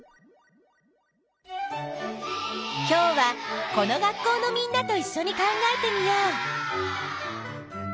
今日はこの学校のみんなといっしょに考えてみよう。